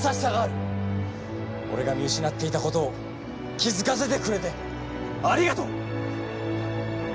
俺が見失っていた事を気づかせてくれてありがとう！